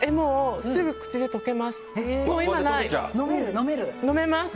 すぐ口で溶けます。